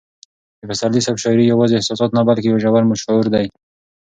د پسرلي صاحب شاعري یوازې احساسات نه بلکې یو ژور شعور دی.